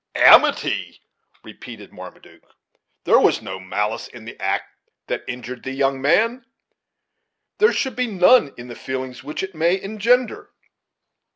"Amity!" repeated Marmaduke; "there was no malice in the act that injured thee, young man; there should be none in the feelings which it may engender."